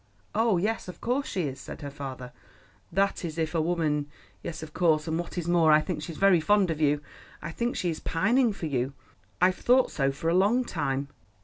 "Oh, yes, of course she is," said her father, "that is, if a woman—yes, of course—and what is more, I think she's very fond of you. I think she is pining for you. I've thought so for a long time."